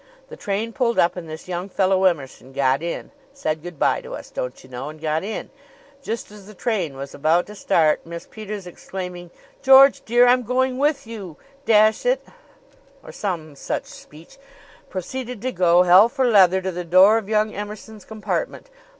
The train pulled up and this young fellow Emerson got in said good by to us, don't you know, and got in. Just as the train was about to start, Miss Peters exclaiming, 'George dear, I'm going with you , dash it,' or some such speech proceeded to go hell for leather to the door of young Emerson's compartment.